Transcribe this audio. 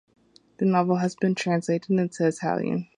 The novel has also been translated into Italian.